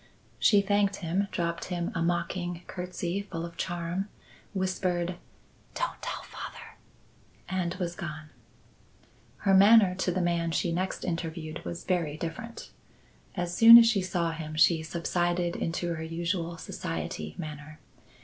She thanked him, dropped him a mocking curtsey full of charm, whispered "Don't tell father," and was gone. Her manner to the man she next interviewed was very different. As soon as she saw him she subsided into her usual society manner.